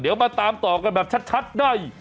เดี๋ยวมาตามต่อกันแบบชัดได้